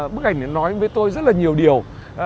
bức ảnh nói với tôi rất là nhiều điều